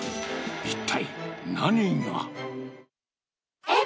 一体何が。